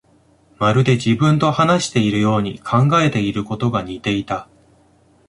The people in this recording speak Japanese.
まるで自分と話しているように、考えていることが似ていた